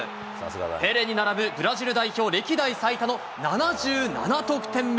ペレに並ぶブラジル代表歴代最多の７７得点目。